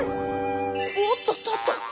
おっとっとっと。